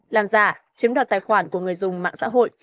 làm giả chiếm đoạt tài khoản của người dùng mạng xã hội